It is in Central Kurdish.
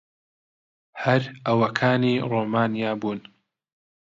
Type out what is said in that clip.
هەر ئەوەکانی ڕۆمانیا بوون.